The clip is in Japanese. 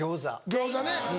餃子ね。